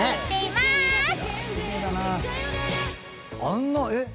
あんなえっ？